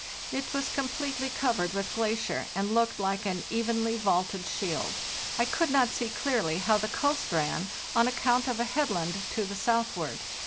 It was completely covered with glacier, and looked like an evenly vaulted shield. I could not see clearly how the coast ran on account of a headland to the southward.